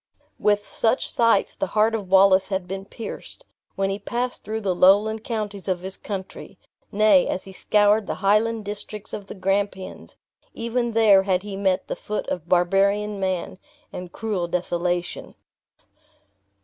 With such sights the heart of Wallace had been pierced, when he passed through the lowland counties of his country; nay, as he scoured the highland districts of the Grampians, even there had he met the foot of barbarian man, and cruel desolation.